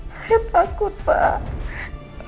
saya takut pak